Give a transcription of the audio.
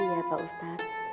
iya pak ustadz